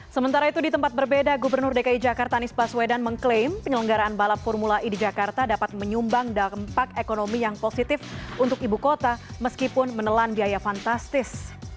sementara itu di tempat berbeda gubernur dki jakarta anies baswedan mengklaim penyelenggaraan balap formula e di jakarta dapat menyumbang dampak ekonomi yang positif untuk ibu kota meskipun menelan biaya fantastis